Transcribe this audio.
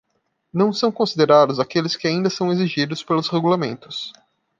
Não são considerados aqueles que ainda são exigidos pelos regulamentos.